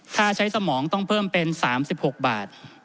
ค่าใช้สมองต้องเพิ่มเป็น๓๖บาท